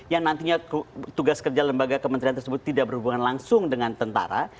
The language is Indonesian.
yang nantinya tugas kerja lembaga kementerian tersebut tidak berhubungan langsung dengan tentara